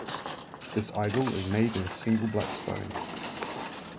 This idol is made in a single black stone.